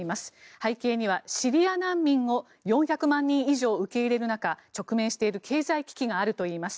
背景にはシリア難民を４００万人以上受け入れる中直面している経済危機があるといいます。